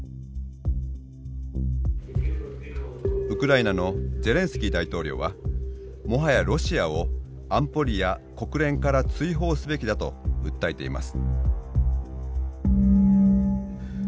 ウクライナのゼレンスキー大統領はもはやロシアを安保理や国連から追放すべきだと訴えています。